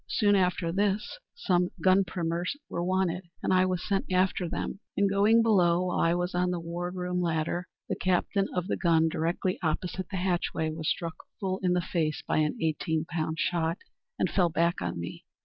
Soon after this some gun primers were wanted, and I was sent after them. In going below, while I was on the ward room ladder, the captain of the gun directly opposite the hatchway was struck full in the face by an eighteen pound shot, and fell back on me.